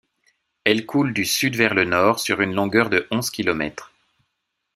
Elle coule du sud vers le nord sur une longueur de onze kilomètres.